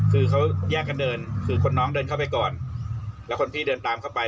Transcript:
คือเขาแยกกันเดินคือคนน้องเดินเข้าไปก่อนแล้วคนพี่เดินตามเข้าไป